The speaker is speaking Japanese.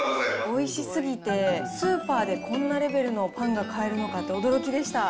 おいしすぎて、スーパーでこんなレベルのパンが買えるのかと驚きでした。